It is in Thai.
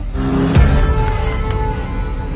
ที่สุดท้าย